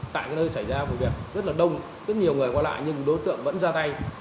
tại cái nơi xảy ra vụ việc rất là đông rất nhiều người qua lại nhưng đối tượng vẫn ra tay